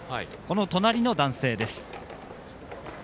隣の男性です。